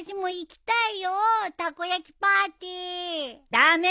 駄目！